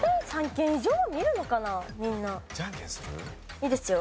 いいですよ。